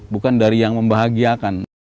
bukan dari yang membahagiakan